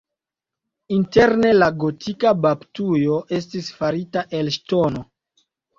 Interne la gotika baptujo estis farita el ŝtono.